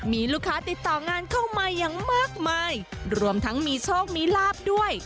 มีลูกค้าติดต่องานเข้ามาอย่างมากมายรวมทั้งมีโชคมีลาบด้วย